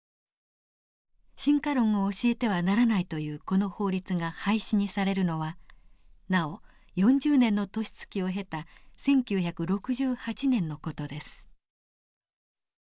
進化論を教えてはならないというこの法律が廃止にされるのはなお４０年の年月を経た１９６８年の事です。